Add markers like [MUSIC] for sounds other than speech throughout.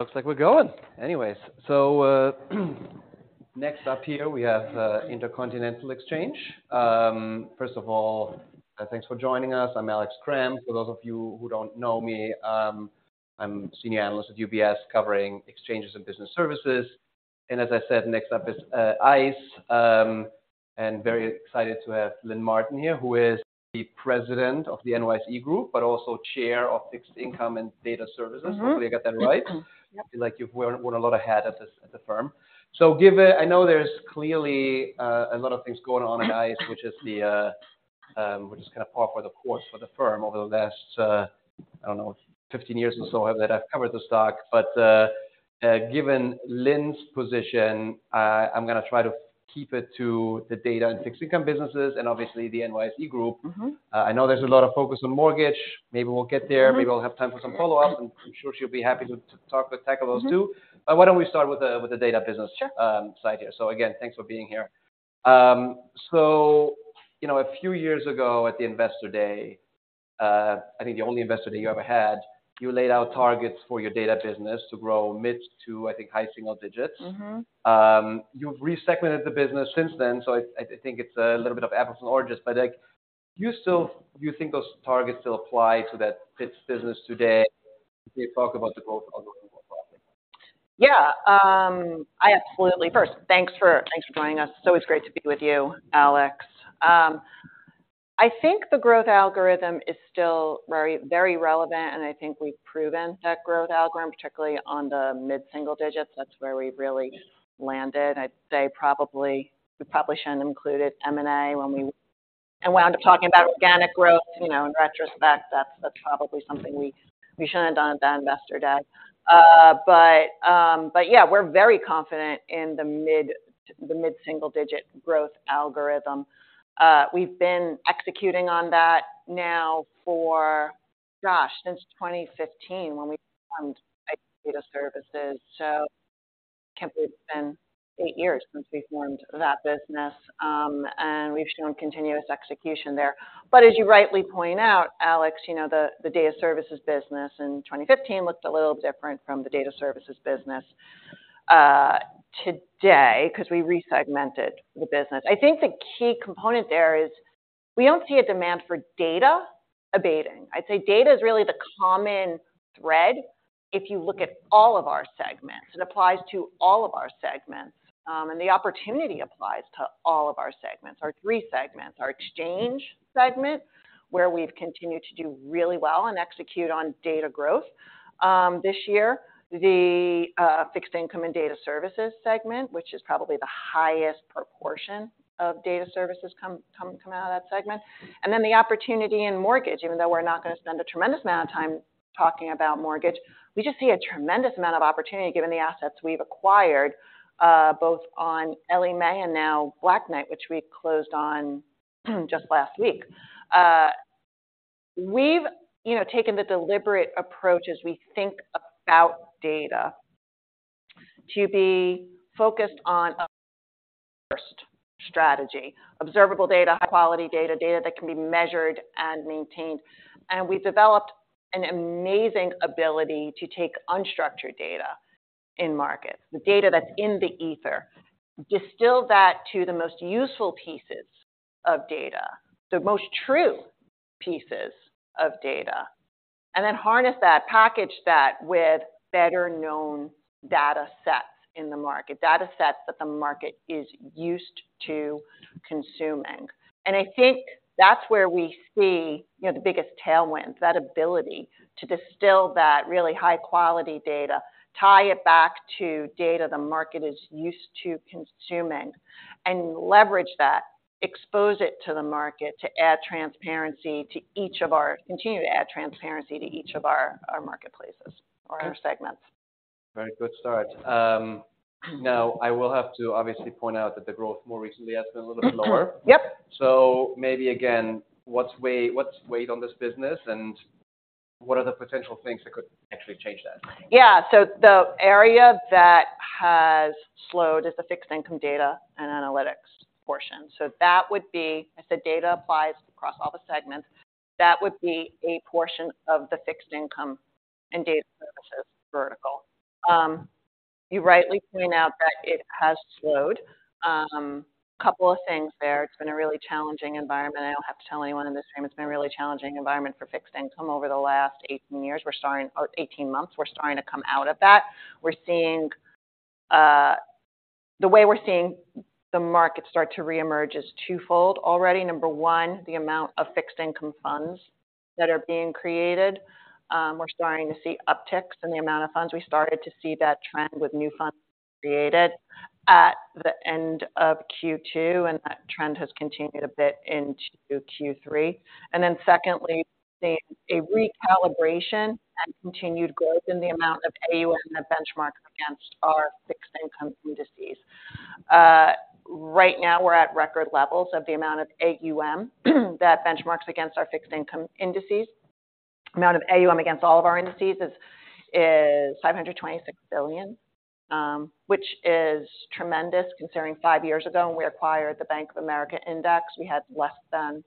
Looks like we're going! Anyways, so, next up here, we have, Intercontinental Exchange. First of all, thanks for joining us. I'm Alex Kramm. For those of you who don't know me, I'm Senior Analyst at UBS, covering exchanges and business services. And as I said, next up is, ICE. I'm very excited to have Lynn Martin here, who is the President of the NYSE Group, but also Chair of Fixed Income and Data Services. Mm-hmm. Hopefully, I got that right. Yep. I feel like you've worn a lot of hats at the firm. So given I know there's clearly a lot of things going on at ICE, which is par for the course for the firm over the last, I don't know, 15 years or so, that I've covered the stock. But given Lynn's position, I'm gonna try to keep it to the data and Fixed Income businesses, and obviously, the NYSE Group. Mm-hmm. I know there's a lot of focus on mortgage. Maybe we'll get there- Mm-hmm. Maybe we'll have time for some follow-up, and I'm sure she'll be happy to tackle those, too. Mm-hmm. But why don't we start with the data business- Sure Side here. So again, thanks for being here. So you know, a few years ago at the Investor Day, I think the only Investor Day you ever had, you laid out targets for your data business to grow mid to, I think, high single digits. Mm-hmm. You've resegmented the business since then, so I think it's a little bit of apples and oranges, but, like, you still, do you think those targets still apply to that pitch business today, can you talk about the growth algorithm more broadly? Yeah, I absolutely. First, thanks for, thanks for joining us. It's always great to be with you, Alex. I think the growth algorithm is still very, very relevant, and I think we've proven that growth algorithm, particularly on the mid-single digits. That's where we've really landed. I'd say probably, we probably shouldn't have included M&A when we wound up talking about organic growth, you know, in retrospect, that's probably something we shouldn't have done at that Investor Day. But yeah, we're very confident in the mid-single-digit growth algorithm. We've been executing on that now for, gosh, since 2015, when we formed Data Services. So I can't believe it's been eight years since we formed that business, and we've shown continuous execution there. But as you rightly point out, Alex, you know, the Data Services business in 2015 looked a little different from the Data Services business today, 'cause we resegmented the business. I think the key component there is we don't see a demand for data abating. I'd say data is really the common thread, if you look at all of our segments. It applies to all of our segments, and the opportunity applies to all of our segments, our three segments. Our exchange segment, where we've continued to do really well and execute on data growth. This year, the Fixed Income and Data Services segment, which is probably the highest proportion of Data Services, comes out of that segment. Then the opportunity in mortgage, even though we're not gonna spend a tremendous amount of time talking about mortgage, we just see a tremendous amount of opportunity given the assets we've acquired, both on Ellie Mae and now Black Knight, which we closed on, just last week. We've, you know, taken the deliberate approach as we think about data, to be focused on a first strategy, observable data, high-quality data, data that can be measured and maintained. We've developed an amazing ability to take unstructured data in markets, the data that's in the [either], distill that to the most useful pieces of data, the most true pieces of data, and then harness that, package that with better-known data sets in the market, data sets that the market is used to consuming. I think that's where we see, you know, the biggest tailwind, that ability to distill that really high-quality data, tie it back to data the market is used to consuming, and leverage that, expose it to the market to add transparency to each of our- continue to add transparency to each of our, our marketplaces or our segments. Very good start. Now, I will have to obviously point out that the growth more recently has been a little bit lower. Yep. Maybe again, what's weight, what's weight on this business, and what are the potential things that could actually change that? Yeah. So the area that has slowed is the Fixed Income Data and Analytics portion. So that would be, I said data applies across all the segments, that would be a portion of the Fixed Income and Data Services vertical. You rightly point out that it has slowed. A couple of things there. It's been a really challenging environment. I don't have to tell anyone in this room, it's been a really challenging environment for Fixed Income over the last 18 years. We're starting-- or 18 months, we're starting to come out of that. We're seeing the way we're seeing the market start to reemerge is twofold. Already, number one, the amount of Fixed Income funds that are being created, we're starting to see upticks in the amount of funds. We started to see that trend with new funds created at the end of Q2, and that trend has continued a bit into Q3. And then secondly, seeing a recalibration and continued growth in the amount of AUM that benchmark against our Fixed Income indices. Right now, we're at record levels of the amount of AUM that benchmarks against our Fixed Income indices. Amount of AUM against all of our indices is $526 billion, which is tremendous considering five years ago, when we acquired the Bank of America index, we had less than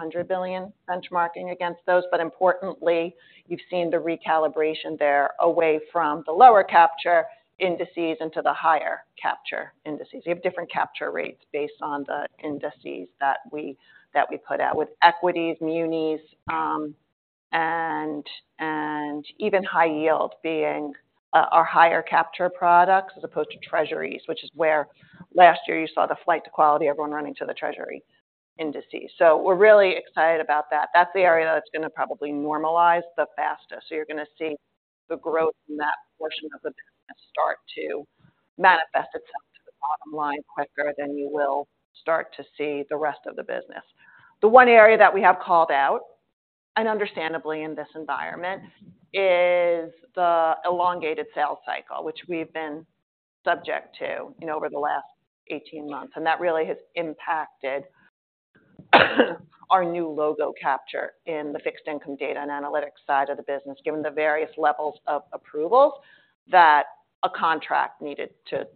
$100 billion benchmarking against those. But importantly, you've seen the recalibration there away from the lower capture indices into the higher capture indices. We have different capture rates based on the indices that we put out, with equities, munis, and even high yield being our higher capture products, as opposed to Treasuries, which is where last year you saw the flight to quality, everyone running to the Treasury indices. So we're really excited about that. That's the area that's gonna probably normalize the fastest. So you're gonna see the growth in that portion of the business start to manifest itself to the bottom line quicker than you will start to see the rest of the business. The one area that we have called out, and understandably in this environment, is the elongated sales cycle, which we've been subject to, you know, over the last 18 months, and that really has impacted our new logo capture in the Fixed Income Data and Analytics side of the business, given the various levels of approvals that a contract needed to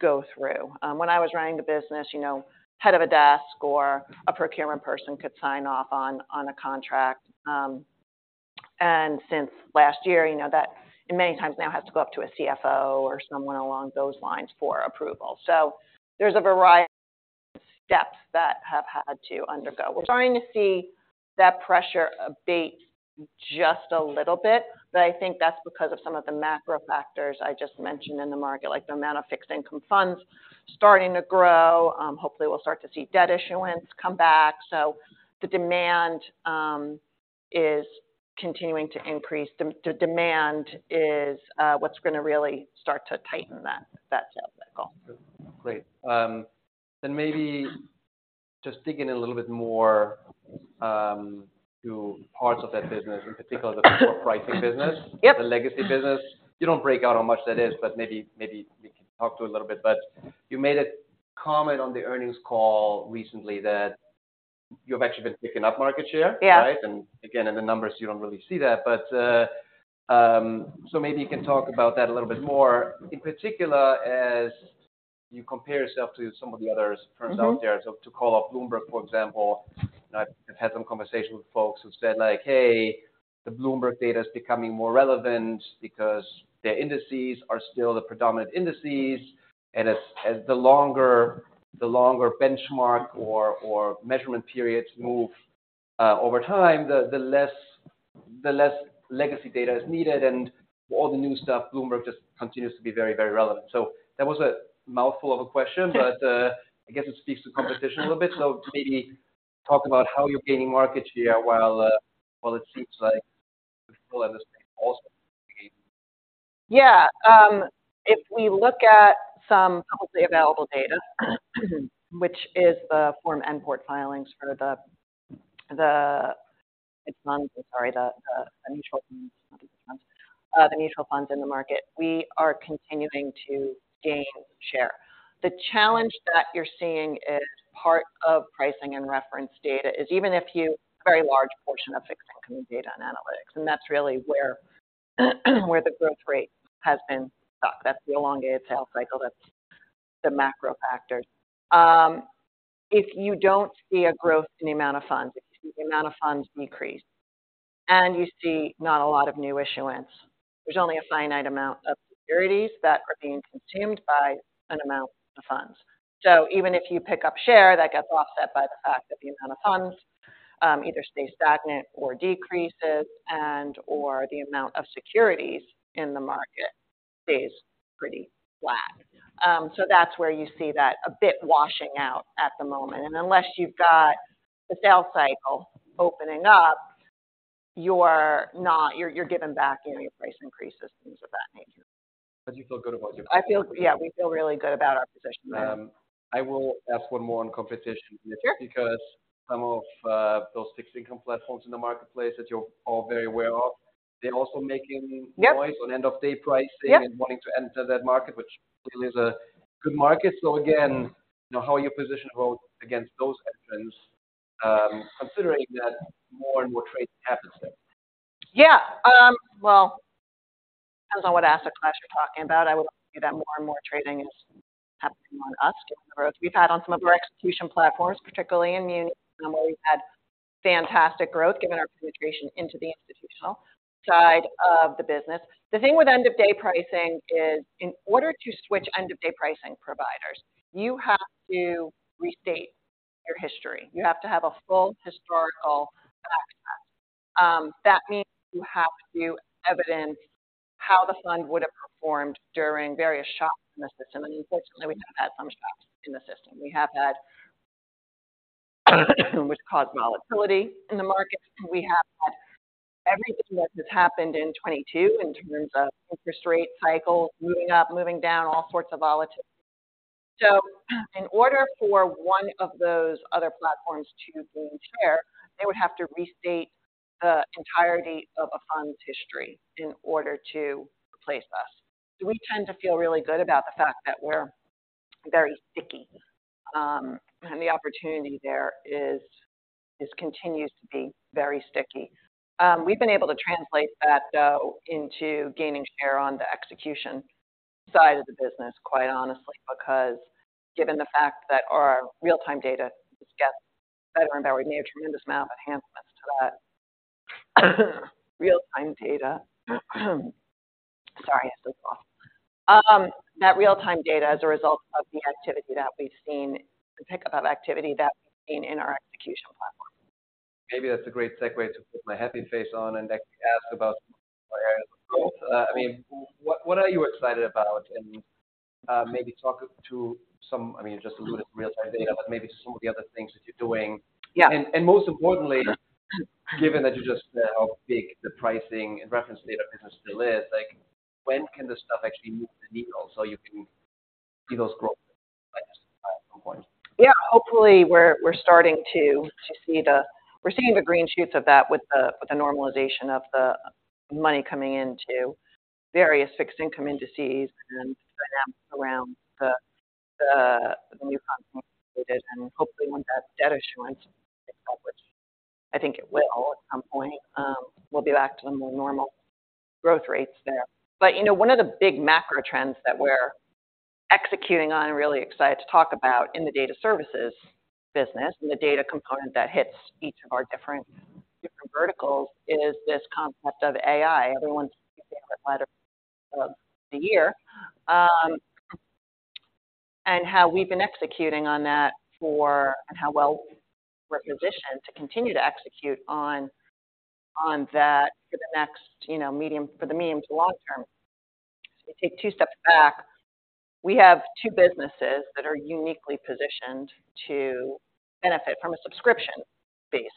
go through. When I was running the business, you know, head of a desk or a procurement person could sign off on a contract. And since last year, you know that in many times now has to go up to a CFO or someone along those lines for approval. So there's a variety of steps that have had to undergo. We're starting to see that pressure abate just a little bit, but I think that's because of some of the macro factors I just mentioned in the market, like the amount of Fixed Income funds starting to grow. Hopefully, we'll start to see debt issuance come back. So the demand is continuing to increase. The demand is what's gonna really start to tighten that sales cycle. Great. Then maybe just digging in a little bit more, to parts of that business, in particular, the core pricing business- Yep. The legacy business. You don't break out how much that is, but maybe, maybe we can talk to it a little bit. But you made a comment on the earnings call recently that you've actually been picking up market share. Yeah. Right? And again, in the numbers, you don't really see that. But, so maybe you can talk about that a little bit more. In particular, as you compare yourself to some of the other firms out there- Mm-hmm. to call up Bloomberg, for example. I've had some conversations with folks who said, like, "Hey, the Bloomberg data is becoming more relevant because their indices are still the predominant indices, and as the longer benchmark or measurement periods move over time, the less legacy data is needed, and all the new stuff, Bloomberg just continues to be very, very relevant." So that was a mouthful of a question, but I guess it speaks to competition a little bit. So maybe talk about how you're gaining market share while it seems like people have this also. Yeah. If we look at some publicly available data, which is the Form N-PORT filings for the mutual funds in the market, we are continuing to gain share. The challenge that you're seeing is part of Pricing and Reference Data very large portion of Fixed Income Data and Analytics, and that's really where the growth rate has been stuck. That's the elongated sales cycle, that's the macro factors. If you don't see a growth in the amount of funds, if you see the amount of funds decrease, and you see not a lot of new issuance, there's only a finite amount of securities that are being consumed by an amount of funds. So even if you pick up share, that gets offset by the fact that the amount of funds either stays stagnant or decreases or the amount of securities in the market stays pretty flat. So that's where you see that a bit washing out at the moment, and unless you've got the sales cycle opening up, you're not giving back any price increases, things of that nature. But you feel good about your- I feel, yeah, we feel really good about our position. I will ask one more on competition- Sure. -because some of those Fixed Income platforms in the marketplace that you're all very aware of, they're also making- Yep. [Noise on end-of-day pricing] Yep. and wanting to enter that market, which really is a good market. So again, you know, how are you positioned well against those entrants, considering that more and more trading happens there? Yeah. Well, depends on what asset class you're talking about. I would say that more and more trading is happening on us, given the growth we've had on some of our execution platforms, particularly in munis, where we've had fantastic growth, given our penetration into the institutional side of the business. The thing with end-of-day pricing is, in order to switch end-of-day pricing providers, you have to restate your history. You have to have a full historical background. That means you have to evidence how the fund would have performed during various shocks in the system. And unfortunately, we have had some shocks in the system. We have had, which caused volatility in the market. We have had everything that has happened in 2022 in terms of interest rate cycle, moving up, moving down, all sorts of volatility. So in order for one of those other platforms to gain share, they would have to restate the entirety of a fund's history in order to replace us. So we tend to feel really good about the fact that we're very sticky. And the opportunity there is, just continues to be very sticky. We've been able to translate that, though, into gaining share on the execution side of the business, quite honestly, because given the fact that our real-time data just gets better and better, we made a tremendous amount of enhancements to that real-time data. Sorry, this is off. That real-time data as a result of the activity that we've seen, the pickup of activity that we've seen in our execution platform. Maybe that's a great segue to put my happy face on and actually ask about areas of growth. I mean, what, what are you excited about? Maybe talk to some—I mean, you just alluded to real-time data, but maybe to some of the other things that you're doing. Yeah. And most importantly, given that you just said how big the Pricing and Reference Data business still is, like, when can this stuff actually move the needle so you can see those growth at some point? Yeah, hopefully, we're starting to see the-- We're seeing the green shoots of that with the normalization of the money coming into various Fixed Income indices and dynamics around the new constantly, and hopefully when that debt issuance, which I think it will at some point, we'll be back to the more normal growth rates there. But, you know, one of the big macro trends that we're executing on and really excited to talk about in the Data Services business, and the data component that hits each of our different verticals, is this concept of AI. Everyone's letter of the year, and how we've been executing on that for and how well we're positioned to continue to execute on that for the next, you know, medium to long term. So we take two steps back. We have two businesses that are uniquely positioned to benefit from a subscription basis,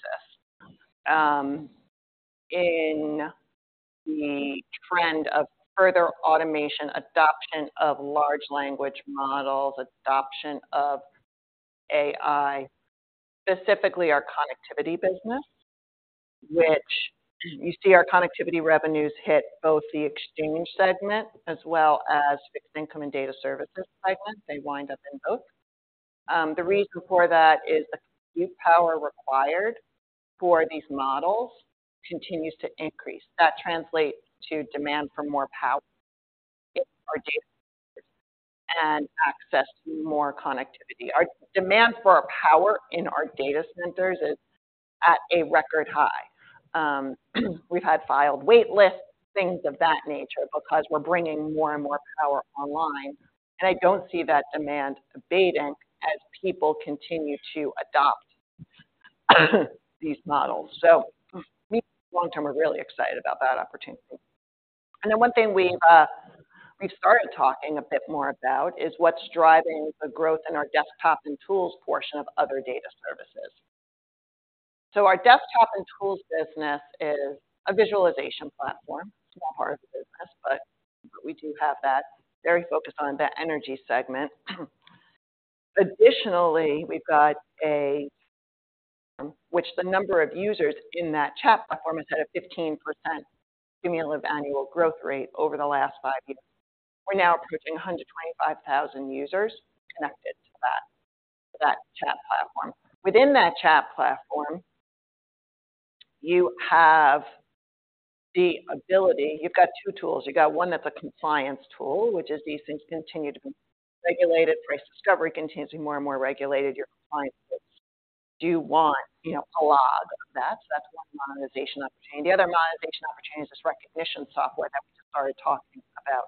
in the trend of further automation, adoption of large language models, adoption of AI, specifically our connectivity business, which you see our connectivity revenues hit both the exchange segment as well as Fixed Income and Data Services segment. They wind up in both. The reason for that is the compute power required for these models continues to increase. That translates to demand for more power, more data, and access to more connectivity. Our demand for our power in our data centers is at a record high. We've had filed wait lists, things of that nature, because we're bringing more and more power online, and I don't see that demand abating as people continue to adopt these models. So long term, we're really excited about that opportunity. Then one thing we've started talking a bit more about is what's driving the growth in our desktop and tools portion of other Data Services. Our desktop and tools business is a visualization platform, small part of the business, but we do have that very focused on that energy segment. Additionally, we've got which the number of users in that chat platform is at a 15% cumulative annual growth rate over the last 5 years. We're now approaching 125,000 users connected to that, to that chat platform. Within that chat platform, you have the ability. You've got two tools: you've got one that's a compliance tool, which is these things continue to be regulated. Price discovery continues to be more and more regulated. Your clients do want, you know, a log of that. So that's one monetization opportunity. The other monetization opportunity is this recognition software that we started talking about.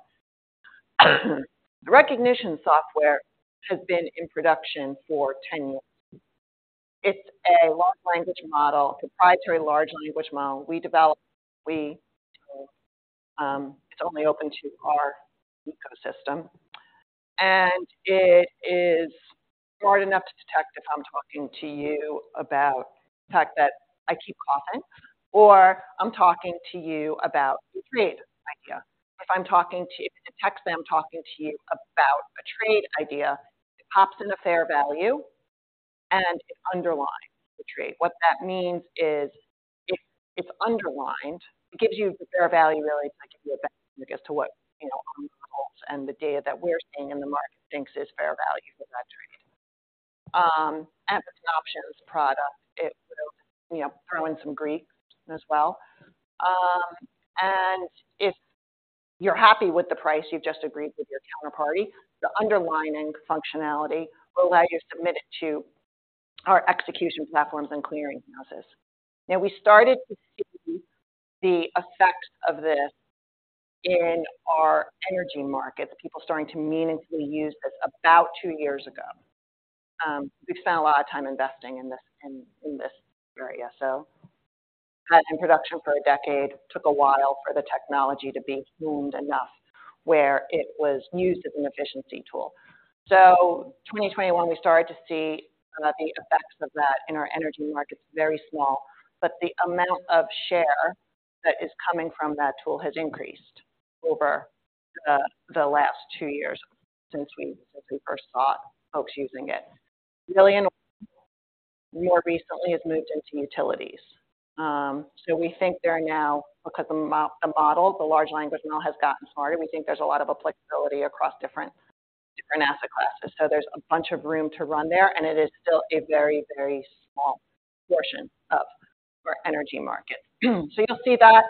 The recognition software has been in production for 10 years. It's a large language model, proprietary large language model we developed. We, it's only open to our ecosystem, and it is smart enough to detect if I'm talking to you about the fact that I keep coughing, or I'm talking to you about a trade idea. If I'm talking to you, it detects that I'm talking to you about a trade idea, it pops in a fair value, and it underlines the trade. What that means is, if it's underlined, it gives you the fair value. Really, it might give you a value as to what, you know, and the data that we're seeing in the market thinks is fair value in that trade. As an options product, it would, you know, throw in some Greek as well. And if you're happy with the price you've just agreed with your counterparty, the underlying functionality will allow you to submit it to our execution platforms and clearing houses. Now, we started to see the effects of this in our energy market, people starting to meaningfully use this about two years ago. We've spent a lot of time investing in this, in this area, so in production for a decade, took a while for the technology to be tuned enough where it was used as an efficiency tool. So 2021, we started to see some of the effects of that in our energy markets, very small, but the amount of share that is coming from that tool has increased over, the last two years since we, since we first saw folks using it. More recently has moved into utilities. So we think they're now, because the the model, the large language model, has gotten smarter, we think there's a lot of applicability across different, different asset classes. So there's a bunch of room to run there, and it is still a very, very small portion of our energy market. So you'll see that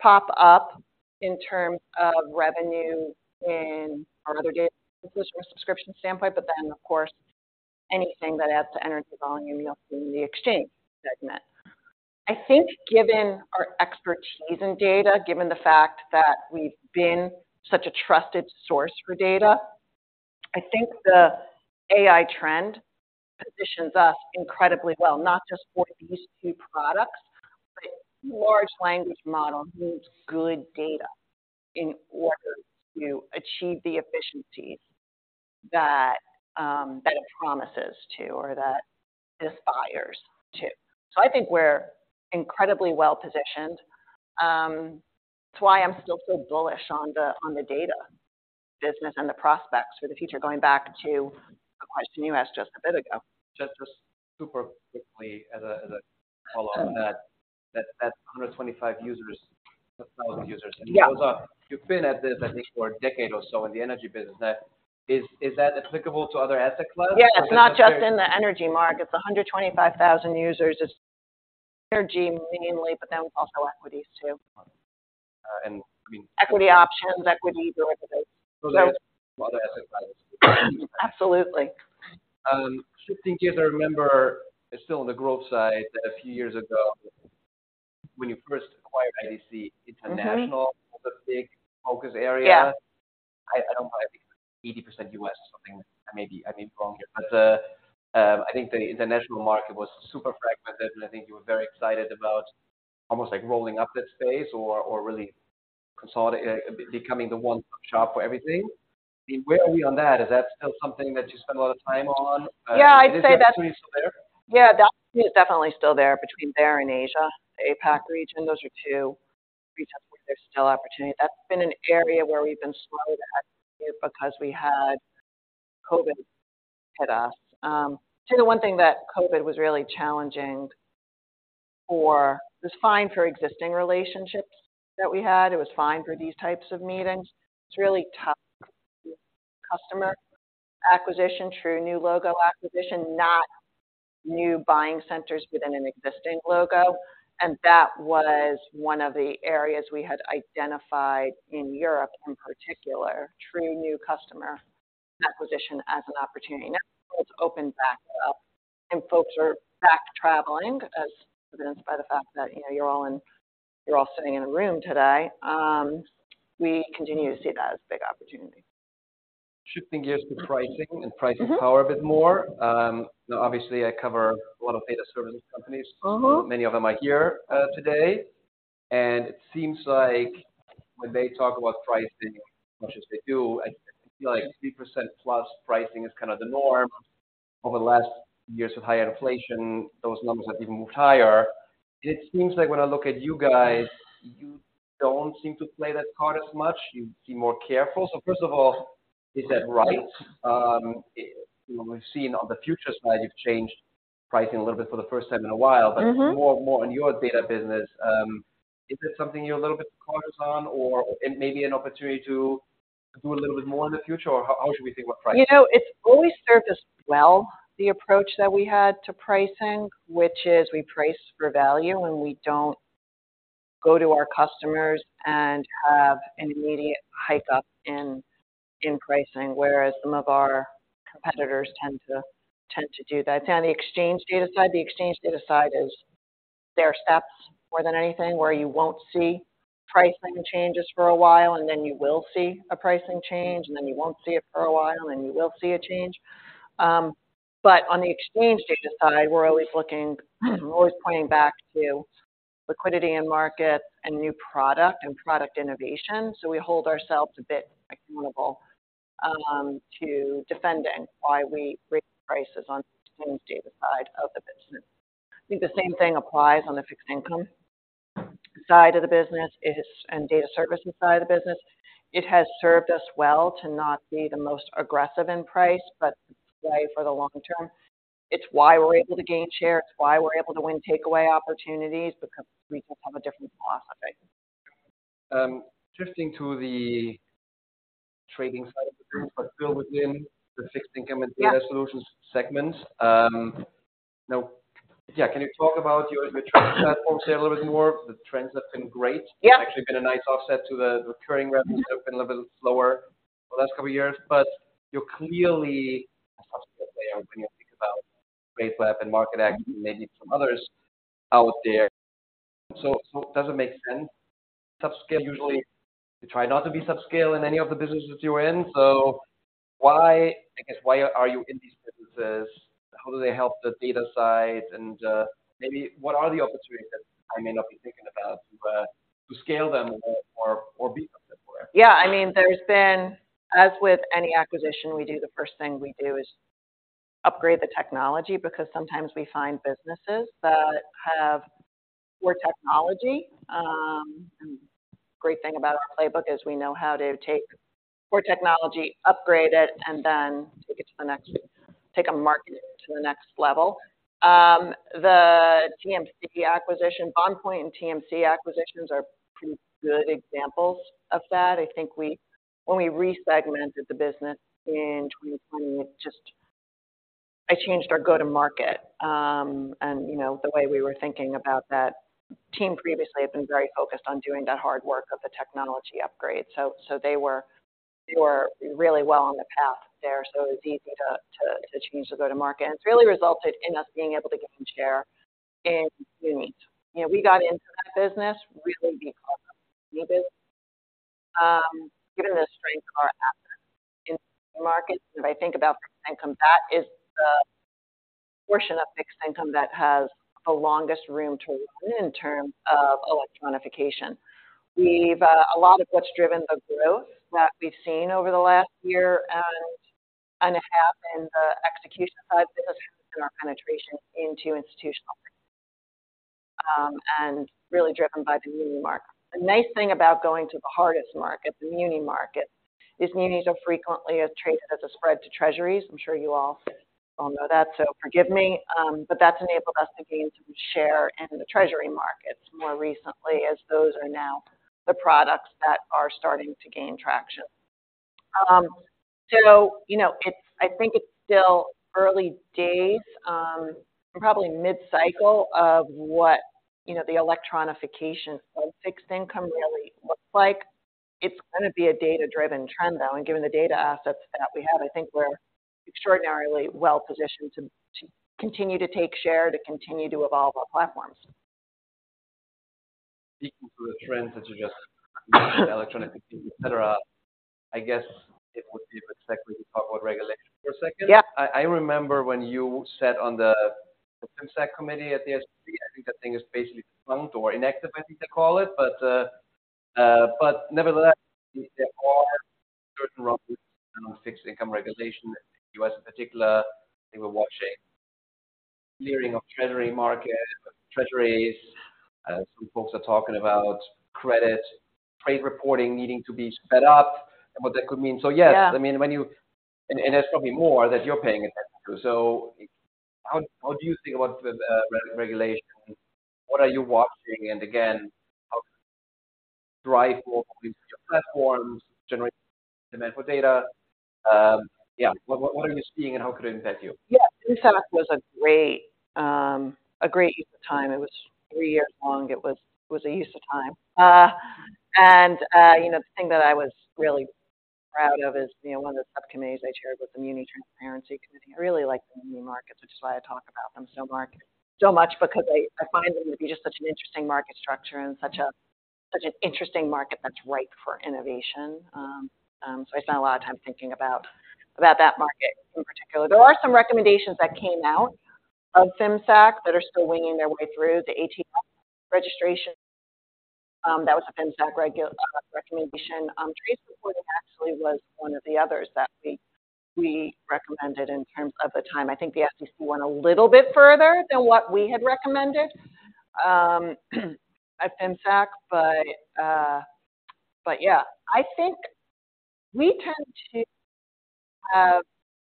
pop up in terms of revenue in our other data solution subscription standpoint, but then, of course, anything that adds to energy volume, you'll see in the exchange segment. I think, given our expertise in data, given the fact that we've been such a trusted source for data, I think the AI trend positions us incredibly well, not just for these two products, but large language model needs good data in order to achieve the efficiency that it promises to, or that the buyers do. So I think we're incredibly well-positioned. That's why I'm still so bullish on the data business and the prospects for the future, going back to the question you asked just a bit ago. Just super quickly, as a follow-on, that 125 thousand users- Yeah. You've been at this, I think, for a decade or so in the energy business. That is, is that applicable to other asset classes? Yeah, it's not just in the energy market. The 125,000 users is energy mainly, but then also equities too. I mean- Equity options, equities, derivatives. Other asset classes. Absolutely. Shifting gears, I remember, still on the growth side, that a few years ago, when you first acquired IDC International- Mm-hmm. was a big focus area. Yeah. I don't want to be 80% US or something. I may be wrong here, but I think the international market was super fragmented, and I think you were very excited about almost, like, rolling up that space or really consolidating, becoming the one shop for everything. Where are we on that? Is that still something that you spend a lot of time on? Yeah, I'd say that's- opportunities there? Yeah, that is definitely still there between there and Asia, the APAC region. Those are two regions where there's still opportunity. That's been an area where we've been slower to act because we had COVID hit us. I think the one thing that COVID was really challenging for... It was fine for existing relationships that we had. It was fine for these types of meetings. It's really tough for customer acquisition, true new logo acquisition, not new buying centers within an existing logo, and that was one of the areas we had identified in Europe, in particular, true new customer acquisition as an opportunity. Now, it's opened back up, and folks are back to traveling, as evidenced by the fact that, you know, you're all sitting in a room today. We continue to see that as a big opportunity. Shifting gears to pricing- Mm-hmm. and pricing power a bit more. Now, obviously, I cover a lot of data service companies. Uh-huh. Many of them are here today, and it seems like when they talk about pricing as much as they do, I feel like 3%+ pricing is kind of the norm. Over the last years of higher inflation, those numbers have even moved higher. It seems like when I look at you guys, you don't seem to play that card as much. You seem more careful. So first of all, is that right? We've seen on the future slide, you've changed pricing a little bit for the first time in a while. Mm-hmm. But more, more on your data business, is this something you're a little bit cautious on, or it may be an opportunity to do a little bit more in the future, or how should we think about pricing? You know, it's always served us well, the approach that we had to pricing, which is we price for value, and we don't go to our customers and have an immediate hike up in, in pricing, whereas some of our competitors tend to, tend to do that. On the exchange data side, the exchange data side is stair steps, more than anything, where you won't see pricing changes for a while, and then you will see a pricing change, and then you won't see it for a while, and you will see a change. But on the exchange data side, we're always looking, always pointing back to liquidity in market and new product and product innovation. So we hold ourselves a bit accountable, to defending why we raise prices on the exchange data side of the business. I think the same thing applies on the Fixed Income side of the business and Data Services side of the business. It has served us well to not be the most aggressive in price, but play for the long term. It's why we're able to gain share, it's why we're able to win takeaway opportunities, because we just have a different philosophy. Shifting to the trading side of the business, but still within the Fixed Income and- Yeah -data solutions segment. Now, yeah, can you talk about your trading platforms here a little bit more? The trends have been great. Yeah. It's actually been a nice offset to the recurring revenues, have been a little bit slower for the last couple of years, but you're clearly a player when you think about Tradeweb and MarketAxess, maybe some others out there. So, so does it make sense? Subscale, usually, you try not to be subscale in any of the businesses you're in, so why, I guess, why are you in these businesses? How do they help the data side? And maybe what are the opportunities that I may not be thinking about to scale them or be more accurate? Yeah, I mean, there's been... As with any acquisition we do, the first thing we do is upgrade the technology, because sometimes we find businesses that have core technology. Great thing about our playbook is we know how to take core technology, upgrade it, and then take it to the next level. The TMC acquisition, BondPoint and TMC acquisitions are pretty good examples of that. I think we when we resegmented the business in 2020, it just I changed our go-to-market. And, you know, the way we were thinking about that team previously had been very focused on doing that hard work of the technology upgrade. So they were really well on the path there. So it was easy to change the go-to-market. And it's really resulted in us being able to gain share in muni. You know, we got into that business really because, given the strength of our assets in the market, if I think about Fixed Income, that is the portion of Fixed Income that has the longest room to run in terms of electronification. We've a lot of what's driven the growth that we've seen over the last year and a half in the execution side of the business, has been our penetration into institutional and really driven by the muni market. The nice thing about going to the hardest market, the muni market, is munis are frequently traded as a spread to treasuries. I'm sure you all know that, so forgive me. But that's enabled us to gain some share in the Treasury markets more recently, as those are now the products that are starting to gain traction. So you know, it's, I think it's still early days, probably mid-cycle of what, you know, the electronification of Fixed Income really looks like. It's gonna be a data-driven trend, though, and given the data assets that we have, I think we're extraordinarily well positioned to continue to take share, to continue to evolve our platforms. Speaking to the trends that you just electronic, et cetera. I guess it would be if exactly to talk about regulation for a second. Yeah. I remember when you sat on the FIMSAC committee at the SEC, I think that thing is basically flunked or inactive, I think they call it. But nevertheless, there are certain rules on Fixed Income regulation. U.S., in particular, they were watching clearing of treasury market, treasuries. Some folks are talking about credit, trade reporting needing to be sped up and what that could mean. So, yes- Yeah. I mean, when you... And, and there's probably more that you're paying attention to. So how, how do you think about the re-regulation? What are you watching? And again, how drive more platforms, generate demand for data. What, what are you seeing, and how could it impact you? Yeah, FIMSAC was a great use of time. It was three years long. It was a use of time. You know, the thing that I was really proud of is, you know, one of the subcommittees I chaired was the Muni Transparency Committee. I really like the muni markets, which is why I talk about them so much, because I find them to be just such an interesting market structure and such an interesting market that's ripe for innovation. So I spent a lot of time thinking about that market in particular. There are some recommendations that came out of FIMSAC that are still winging their way through the ATS registration. That was a FIMSAC recommendation. Trade reporting actually was one of the others that we recommended in terms of the time. I think the SEC went a little bit further than what we had recommended at FIMSAC, but yeah. I think we tend to have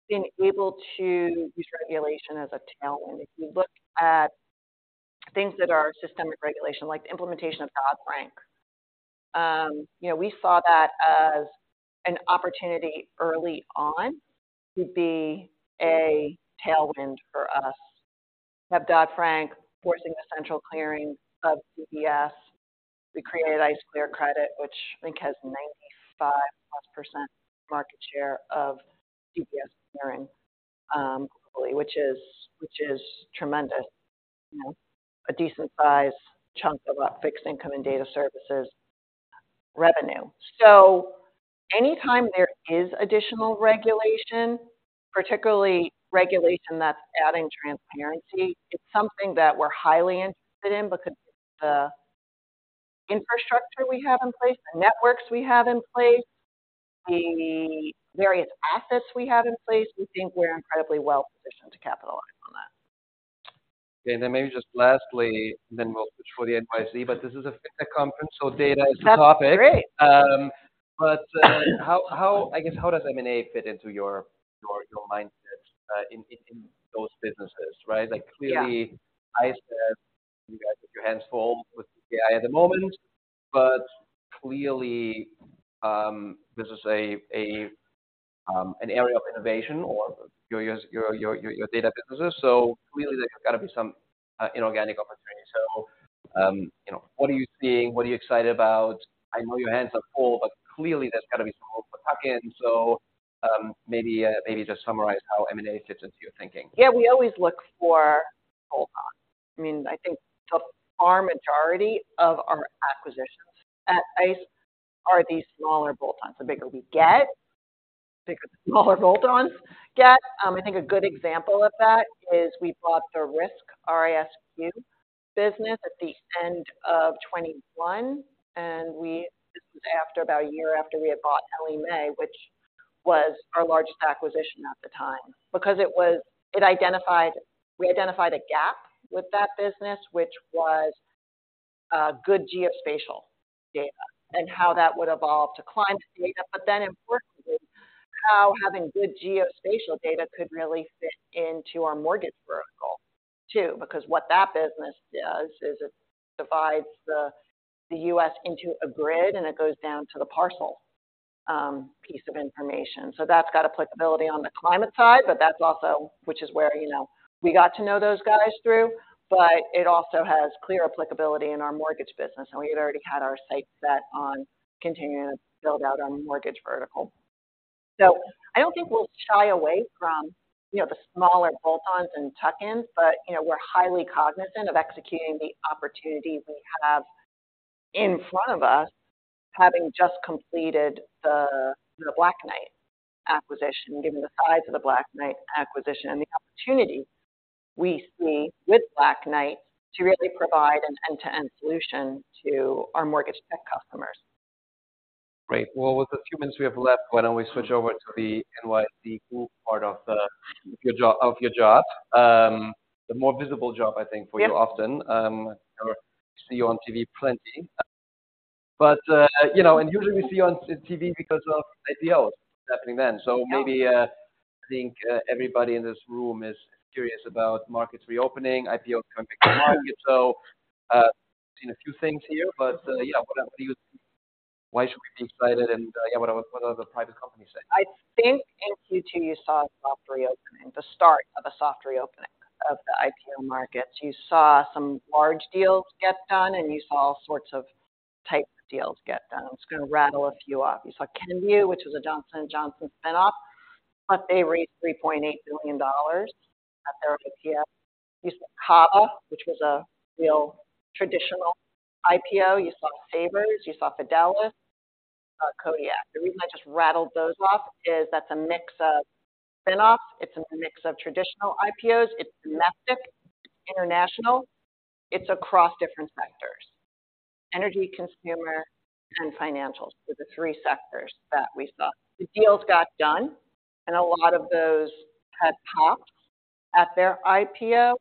been able to use regulation as a tailwind. If you look at things that are systemic regulation, like the implementation of Dodd-Frank, you know, we saw that as an opportunity early on to be a tailwind for us. We have Dodd-Frank forcing the central clearing of CDS. We created ICE Clear Credit, which I think has 95%+ market share of CDS clearing, which is tremendous. You know, a decent size chunk of our Fixed Income and Data Services revenue. Anytime there is additional regulation, particularly regulation that's adding transparency, it's something that we're highly interested in because the infrastructure we have in place, the networks we have in place, the various assets we have in place, we think we're incredibly well positioned to capitalize on that. Okay, then maybe just lastly, then we'll switch to the NYSE, but this is a conference, so data is the topic. That's great. But, I guess, how does M&A fit into your mindset in those businesses, right? Yeah. Like, clearly, I said, you guys with your hands full with AI at the moment, but clearly, this is an area of innovation or your data businesses. So clearly, there's got to be some inorganic opportunity. So, you know, what are you seeing? What are you excited about? I know your hands are full, but clearly, there's got to be some more to tuck in. So, maybe just summarize how M&A fits into your thinking. Yeah, we always look for bolt-ons. I mean, I think the far majority of our acquisitions at ICE are these smaller bolt-ons. The bigger we get, the bigger, the smaller bolt-ons get. I think a good example of that is we bought the RISQ, R-I-S-Q business at the end of 2021, after about a year after we had bought Ellie Mae, which was our largest acquisition at the time. Because we identified a gap with that business, which was good geospatial data and how that would evolve to climate data. But then importantly, how having good geospatial data could really fit into our mortgage vertical too, because what that business does is it divides the U.S. into a grid, and it goes down to the parcel piece of information. So that's got applicability on the climate side, but that's also, which is where, you know, we got to know those guys through, but it also has clear applicability in our mortgage business, and we had already had our sights set on continuing to build out our mortgage vertical. So I don't think we'll shy away from, you know, the smaller bolt-ons and tuck-ins, but, you know, we're highly cognizant of executing the opportunities we have in front of us, having just completed the Black Knight acquisition, given the size of the Black Knight acquisition and the opportunity we see with Black Knight to really provide an end-to-end solution to our mortgage tech customers. Great. Well, with the few minutes we have left, why don't we switch over to the NYSE Group part of your job? The more visible job, I think, for you often. Yep. I see you on TV plenty. But, you know, and usually we see you on TV because of IPOs happening then. Yeah. So maybe, I think, everybody in this room is curious about markets reopening, IPO coming to the market. So, seen a few things here, but, yeah, what do you think? Why should we be excited, and, yeah, what are the, what are the private companies saying? I think in Q2, you saw a soft reopening, the start of a soft reopening of the IPO markets. You saw some large deals get done, and you saw all sorts of types of deals get done. I'm just going to rattle a few off. You saw Kenvue, which was a Johnson & Johnson spin-off, but they raised $3.8 billion at their IPO. You saw, [AUDIO DISTORTION] which was a real traditional IPO. You saw Savers, you saw Fidela, Kodiak. The reason I just rattled those off is that's a mix of spin-offs, it's a mix of traditional IPOs, it's domestic, international, it's across different sectors. Energy, consumer, and financials were the three sectors that we saw. The deals got done, and a lot of those had popped at their IPO.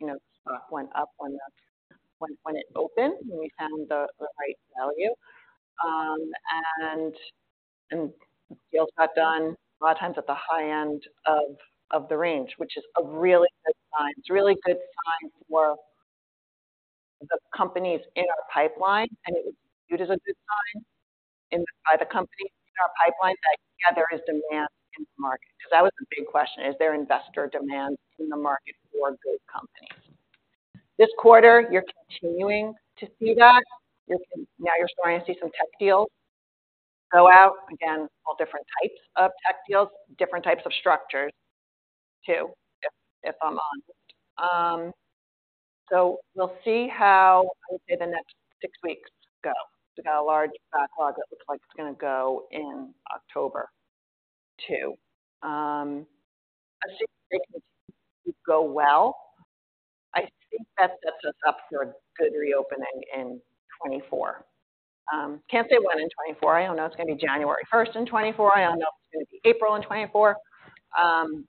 You know, the stock went up when it opened, and we found the right value. And deals got done a lot of times at the high end of the range, which is a really good sign. It's a really good sign for the companies in our pipeline, and it is a good sign in private companies. In our pipeline side, yeah, there is demand in the market, because that was the big question: Is there investor demand in the market for good companies? This quarter, you're continuing to see that. Now you're starting to see some tech deals go out. Again, all different types of tech deals, different types of structures, too, if I'm honest. So we'll see how the next six weeks go. We've got a large backlog that looks like it's going to go in October, too. I think if they go well, I think that sets us up for a good reopening in 2024. Can't say when in 2024. I don't know if it's going to be January first in 2024. I don't know if it's going to be April in 2024.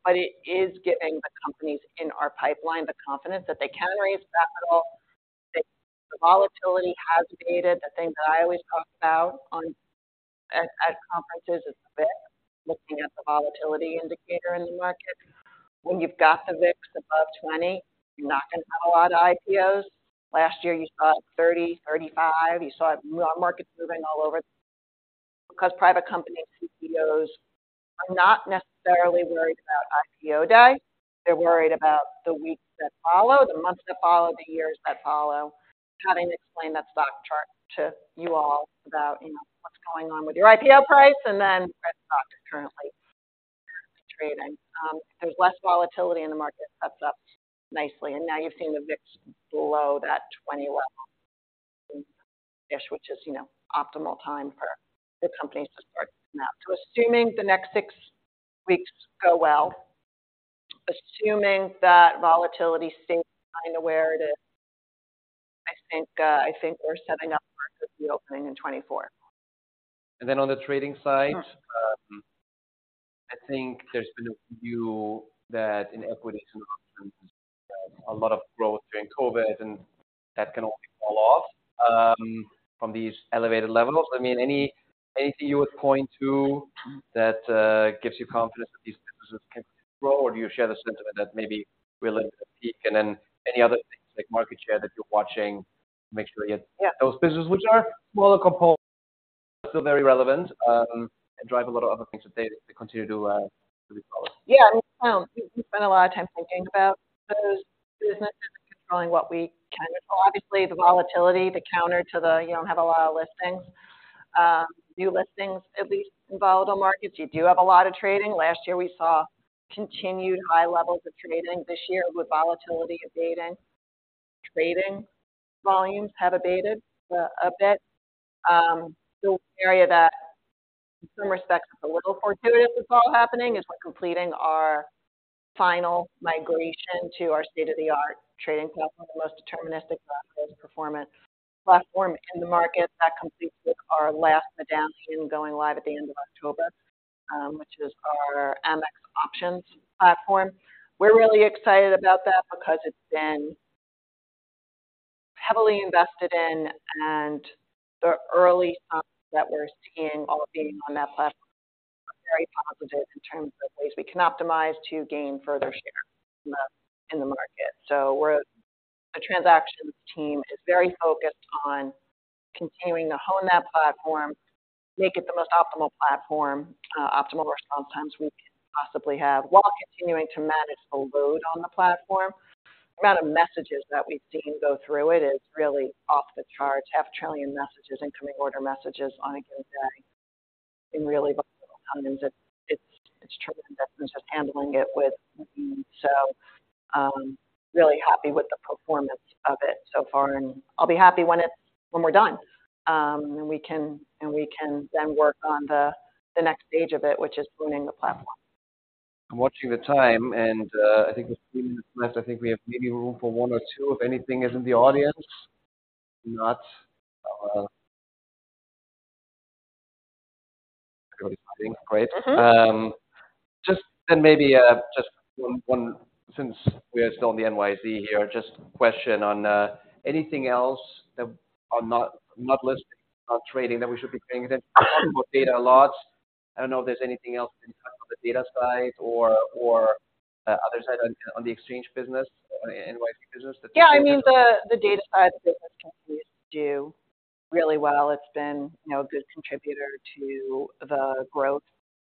But it is giving the companies in our pipeline the confidence that they can raise capital. The volatility has abated. The thing that I always talk about at conferences is VIX, looking at the volatility indicator in the market. When you've got the VIX above 20, you're not going to have a lot of IPOs. Last year, you saw it at 30, 35. You saw markets moving all over because private companies, CEOs are not necessarily worried about IPO day. They're worried about the weeks that follow, the months that follow, the years that follow, having to explain that stock chart to you all about, you know, what's going on with your IPO price, and then where the stock is currently trading. There's less volatility in the market, that's up nicely, and now you've seen the VIX below that 20 level-ish, which is, you know, optimal time for the companies to start to come out. So assuming the next six weeks go well, assuming that volatility stays where it is, I think, I think we're setting up for the opening in 2024. And then on the trading side- Sure... I think there's been a view that in equities and options, a lot of growth during COVID, and that can only fall off from these elevated levels. I mean, anything you would point to that gives you confidence that these businesses can grow, or do you share the sentiment that maybe we're looking to peak? And then any other things like market share that you're watching to make sure you- Yeah Get those businesses, which are well composed, still very relevant, and drive a lot of other things that they continue to be close. Yeah, we spend a lot of time thinking about those businesses, controlling what we can. So obviously, the volatility, the counter to the, you don't have a lot of listings, new listings, at least in volatile markets. You do have a lot of trading. Last year, we saw continued high levels of trading. This year, with volatility abating, trading volumes have abated, a bit. The area that in some respects, a little fortuitous, it's all happening, is we're completing our final migration to our state-of-the-art trading platform, the most deterministic performance platform in the market. That completes with our last medallion going live at the end of October, which is our Amex options platform. We're really excited about that because it's been heavily invested in, and the early signs that we're seeing all being on that platform are very positive in terms of ways we can optimize to gain further share in the market. So we're, the transactions team is very focused on continuing to hone that platform, make it the most optimal platform, optimal response times we can possibly have, while continuing to manage the load on the platform. The amount of messages that we've seen go through it is really off the charts. 500 billion messages, incoming order messages on a given day. In really volatile times, it's tremendous, just handling it with so really happy with the performance of it so far, and I'll be happy when we're done, and we can then work on the next stage of it, which is pruning the platform. I'm watching the time, and I think we've 3 minutes left. I think we have maybe room for 1 or 2, if anything is in the audience. If not, great. Just then maybe just 1, 1, since we are still on the NYSE here, just a question on anything else that are not listed on trading that we should be paying attention? You talked about data a lot. I don't know if there's anything else on the data side or other side on the exchange business, on the NYSE business? Yeah, I mean, the data side of the business continues to do really well. It's been, you know, a good contributor to the growth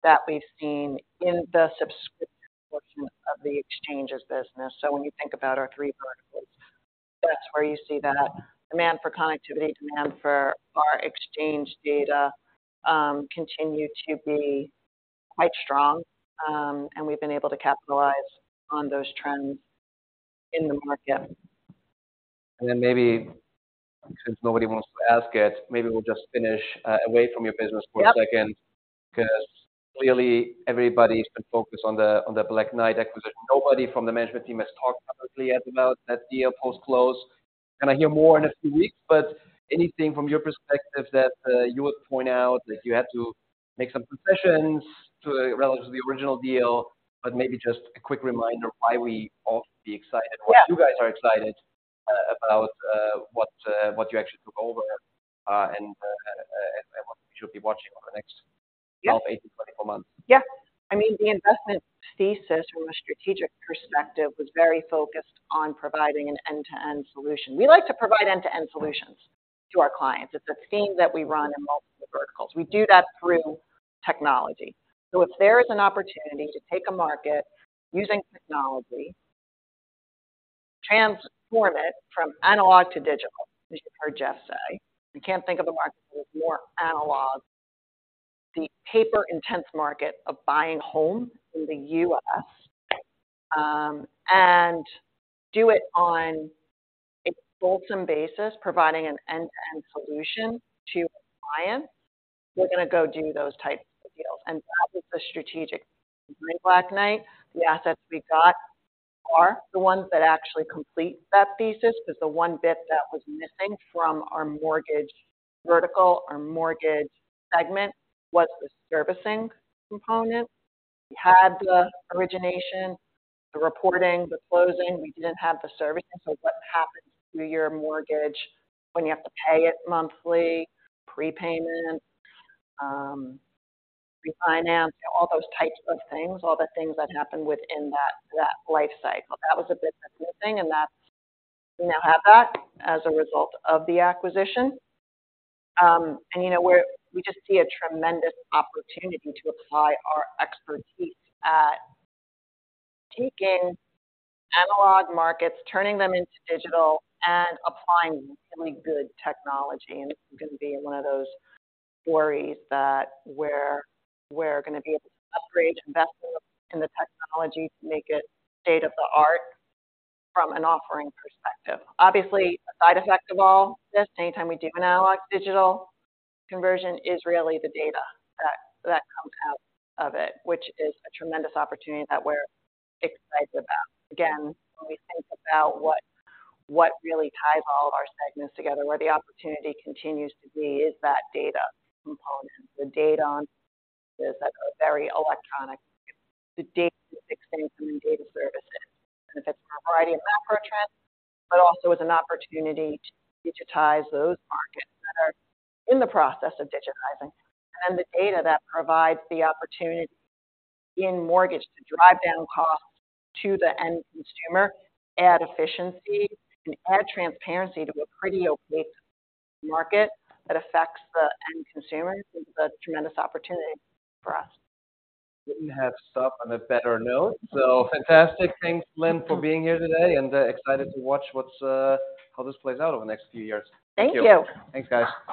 that we've seen in the subscription portion of the exchanges business. So when you think about our three verticals, that's where you see that demand for connectivity, demand for our exchange data, continue to be quite strong. And we've been able to capitalize on those trends in the market. Then maybe, since nobody wants to ask it, maybe we'll just finish away from your business for a second. Yep. Because clearly everybody's been focused on the Black Knight acquisition. Nobody from the management team has talked publicly yet about that deal post-close. Can I hear more in a few weeks? But anything from your perspective that, you would point out that you had to make some concessions to, relative to the original deal, but maybe just a quick reminder why we all should be excited- Yeah. or you guys are excited about what you actually took over and what we should be watching over the next 12, 18, 24 months. Yeah. I mean, the investment thesis from a strategic perspective was very focused on providing an end-to-end solution. We like to provide end-to-end solutions to our clients. It's a theme that we run in multiple verticals. We do that through technology. So if there is an opportunity to take a market using technology, transform it from analog to digital, as you heard Jeff say, we can't think of a market more analog, the paper-intense market of buying a home in the U.S., and do it on a wholesome basis, providing an end-to-end solution to a client, we're going to go do those types of deals. And that was the strategic behind Black Knight. The assets we got are the ones that actually complete that thesis, because the one bit that was missing from our mortgage vertical, our mortgage segment, was the servicing component. We had the origination, the reporting, the closing, we didn't have the servicing. So what happens to your mortgage when you have to pay it monthly, prepayment, refinance, all those types of things, all the things that happen within that, that life cycle. That was a bit missing, and that we now have that as a result of the acquisition. And, you know, we're just see a tremendous opportunity to apply our expertise at taking analog markets, turning them into digital, and applying really good technology. And it's going to be one of those stories that we're, we're going to be able to upgrade, invest in the technology to make it state-of-the-art from an offering perspective. Obviously, a side effect of all this, anytime we do an analog digital conversion, is really the data that comes out of it, which is a tremendous opportunity that we're excited about. Again, when we think about what really ties all of our segments together, where the opportunity continues to be, is that data component. The data business is very electronic, the data expansion and Data Services. And it is a variety of approaches, but also as an opportunity to digitize those markets that are in the process of digitizing. And the data that provides the opportunity in mortgage to drive down costs to the end consumer, add efficiency and add transparency to a pretty opaque market that affects the end consumer, is a tremendous opportunity for us. We have to stop on a better note. So fantastic. Thanks, Lynn, for being here today, and excited to watch what's how this plays out over the next few years. Thank you. Thanks, guys. Bye.